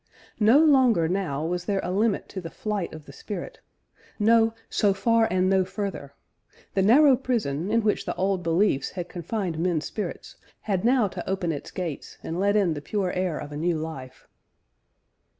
No longer now was there a limit to the flight of the spirit, no 'so far and no further'; the narrow prison in which the old beliefs had confined men's spirits had now to open its gates and let in the pure air of a new life."